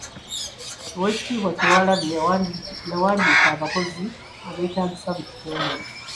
Oweekitiibwa Kyewalabye yawandiika abakozi abeetaagisa mu kitongole.